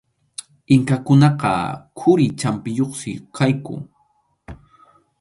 Inkakunaqa quri champiyuqsi kaqku.